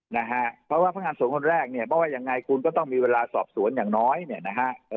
นะฮะเพราะว่าพนักงานสวนคนแรกเนี่ยเพราะว่ายังไงคุณก็ต้องมีเวลาสอบสวนอย่างน้อยเนี่ยนะฮะ